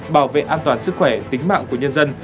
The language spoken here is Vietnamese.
bảo vệ an toàn sức khỏe tính mạng của nhân dân